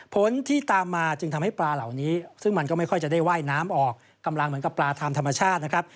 ผลที่ตามมาจึงทำให้ปลาเหล่านี้ซึ่งมันก็ไม่ค่อยจะได้ว่ายน้ำออกกำลังเหมือนกับปลาทางธรรมชาตินะครับ